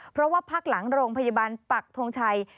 เพราะว่าพักหลังโรงพยาบาลปักทงชัย